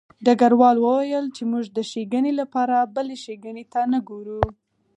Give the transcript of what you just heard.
ډګروال وویل چې موږ د ښېګڼې لپاره بلې ښېګڼې ته نه ګورو